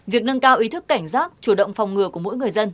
việc nâng cao ý thức cảnh giác chủ động phòng ngừa của mỗi người dân